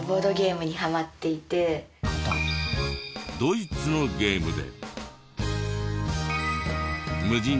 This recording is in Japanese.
ドイツのゲームで。